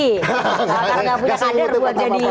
karena nggak punya kader buat jadi capres